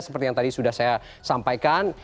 seperti yang tadi sudah saya sampaikan